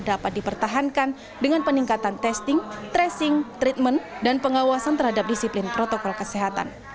dapat dipertahankan dengan peningkatan testing tracing treatment dan pengawasan terhadap disiplin protokol kesehatan